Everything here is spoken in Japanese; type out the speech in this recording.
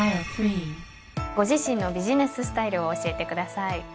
ご自身のビジネススタイルを教えてください。